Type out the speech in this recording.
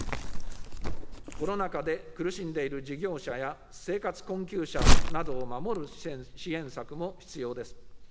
コロナ禍で苦しんでいる事業者や、生活困窮者などを守る支援策も必要です。